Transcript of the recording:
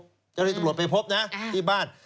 เจ้าหน้าที่ตำรวจไปพบนะที่บ้าน